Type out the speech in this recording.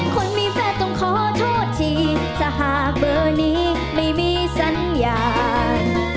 คนมีแฟนต้องขอโทษทีถ้าหากเบอร์นี้ไม่มีสัญญาณ